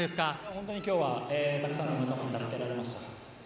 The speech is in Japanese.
本当に今日はたくさんの仲間に助けられました。